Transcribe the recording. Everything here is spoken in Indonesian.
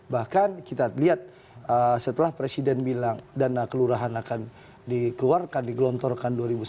bahkan kita lihat setelah presiden bilang dana kelurahan akan dikeluarkan digelontorkan dua ribu sembilan belas